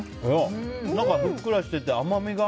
ふっくらしてて、甘みが。